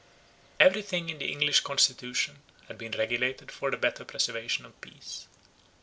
Every thing in the English constitution had been regulated for the better preservation of peace.